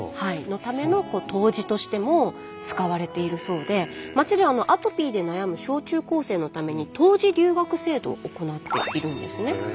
のための湯治としても使われているそうで町ではアトピーで悩む小中高生のために湯治留学制度を行っているんですね。